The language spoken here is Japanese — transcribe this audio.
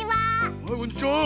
はいこんにちは。